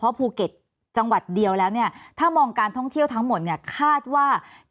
คาดว่าตลาดของการท่องเที่ยวหรือว่านักท่องเที่ยวของแต่ละประเทศเองเนี่ย